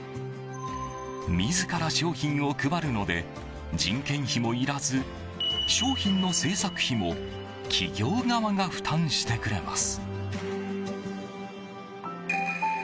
自ら商品を配るので人件費もいらず商品の製作費も企業側が負担してくれます。